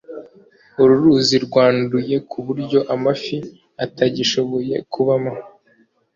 Uru ruzi rwanduye ku buryo amafi atagishoboye kubamo.